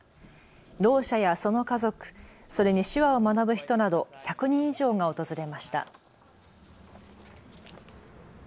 ろう者やその家族、それに手話を学ぶ人など１００人以上が訪れました。